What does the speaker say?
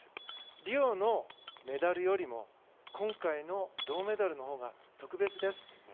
リオのメダルよりも今回の銅メダルのほうが特別ですって。